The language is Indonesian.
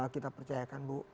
kita percayakan bu